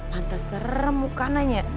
mantas serem bukan